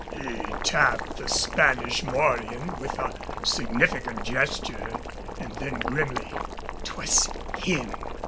He tapped the Spanish morion with a significant gesture, and then grimly, "'Twas him!"